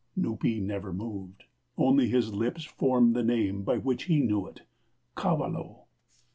Nupee never moved; only his lips formed the name by which he knew it kalawoe.